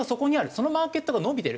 そのマーケットが伸びてる。